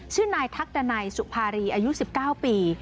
ชื่อนายทักดันัยสุภารีอายุ๑๙ปี